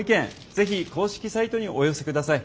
是非公式サイトにお寄せください。